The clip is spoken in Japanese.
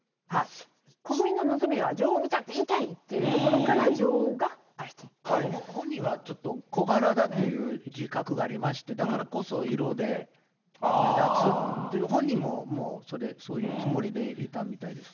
国民の望みは、女王を見たって言いたいっていうところから、本人はちょっと小柄だっていう自覚がありまして、だからこそ、色で目立つという、本人ももう、それ、そういうつもりでいたみたいですね。